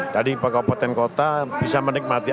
jadi pak kepoten kota bisa menikmati